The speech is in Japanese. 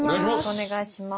お願いします。